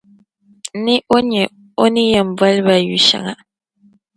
ni o nya o ni yɛn boli ba yu’ shɛŋa.